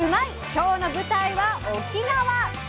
今日の舞台は沖縄！